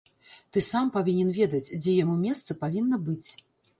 Ты сам павінен ведаць, дзе яму месца павінна быць!